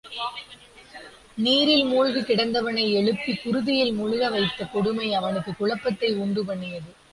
நீரில் முழுகிக் கிடந்தவனை எழுப்பிக் குருதியில் முழுகவைத்த கொடுமை அவனுக்குக் குழப்பத்தை உண்டு பண்ணியது.